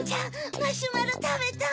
マシュマロたべたい！